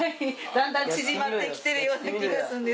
だんだん縮まってきてるような気がするんですけど。